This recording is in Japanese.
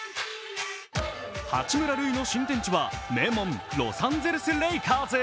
八村塁の新天地は名門ロサンゼルス・レイカーズ。